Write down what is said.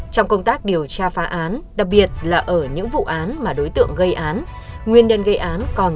trong công tác điều tra phá án đặc biệt là ở những vụ án mà đối tượng gây án nguyên nhân gây án còn